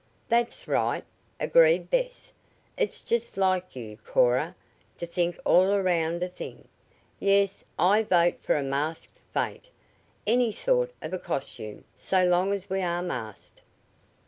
"That's right," agreed Bess. "It's just like you, Cora, to think all around a thing. Yes, I vote for a masked fete. Any sort of a costume, so long as we are masked."